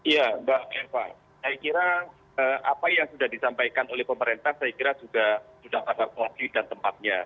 ya mbak eva saya kira apa yang sudah disampaikan oleh pemerintah saya kira juga sudah pada kondisi dan tempatnya